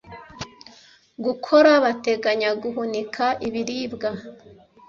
gukora bateganyaga guhunika ibiribwa